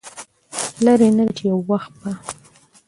لرې نه ده چې يو وخت به